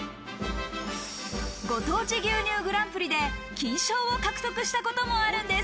ご当地牛乳グランプリで金賞を獲得したこともあるんです。